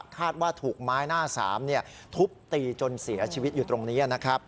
คาดว่าถูกไม้หน้า๓ทุบตีจนเสียชีวิตอยู่ตรงนี้